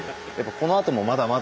このあともまだまだ。